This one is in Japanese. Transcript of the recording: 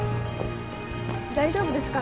大丈夫ですか？